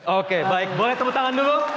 oke baik boleh tepuk tangan dulu